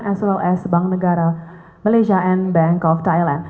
sama juga bank negara malaysia dan bank thailand